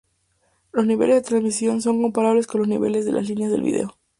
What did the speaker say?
Los niveles de transmisión son comparables con los niveles de las líneas de video.